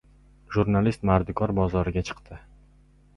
Jurnalist mardikor bozoriga chiqdi...